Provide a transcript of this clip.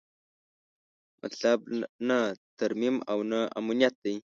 مطلب نه ترمیم او نه امنیت دی.